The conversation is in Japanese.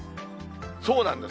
そうなんです。